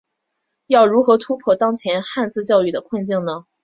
要如何突破当前汉字教育的困境呢？